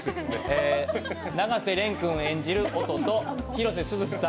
永瀬廉君演じる音と広瀬すずさん